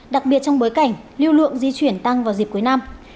đặc biệt trong bối cảnh lưu lượng di chuyển tăng vào dịp cuối năm